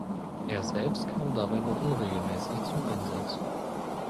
Er selbst kam dabei nur unregelmäßig zum Einsatz.